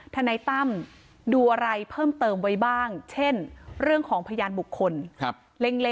ทนายตั้มดูอะไรเพิ่มเติมไว้บ้างเช่นเรื่องของพยานบุคคล